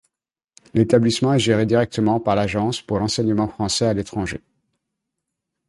L'établissement est géré directement par l'Agence pour l'enseignement français à l'étranger.